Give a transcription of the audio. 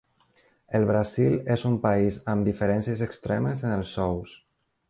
El Brasil és un país amb diferències extremes en els sous.